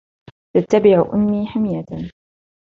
تتبع أمي حميةً.